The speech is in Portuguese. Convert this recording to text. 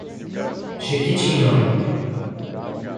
Jequitinhonha